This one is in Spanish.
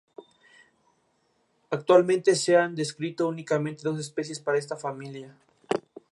Actualmente se han descrito únicamente dos especies para esta familia.